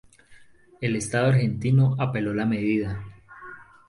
El Estado argentino apeló la medida.